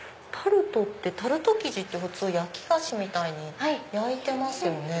タルト生地って普通焼き菓子みたいに焼いてますよね。